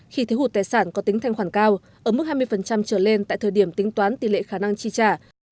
khi thiếu hụt tài sản có tính thanh khoản cao ở mức hai mươi trở lên tại thời điểm tính toán tỷ lệ khả năng chi trả